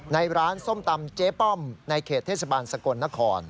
ในร้านส้มตำเจ๊ป้อมในเขตเทศบาลสกลนคร